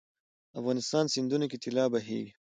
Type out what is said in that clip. افغانستان سیندونو کې طلا بهیږي